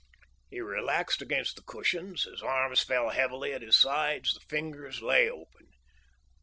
He relaxed against the cushions; his arms fell heavily at his sides; the fingers lay open.